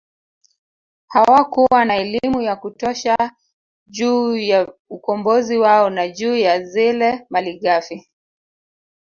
Hawakuwa na elimu ya kutosha juu ya ukombozi wao na juu ya zile malighafi